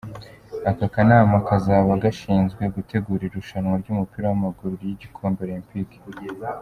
Aka kanama kazaba gashinzwe gutegura irushanwa ry’umupira w’amaguru ry’igikombe Olempike.